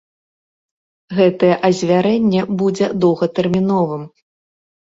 Гэтае азвярэнне будзе доўгатэрміновым.